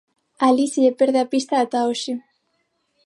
Alí se lle perde a pista ata hoxe.